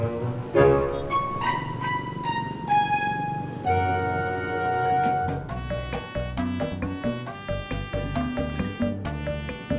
masya allah mengerikan lagi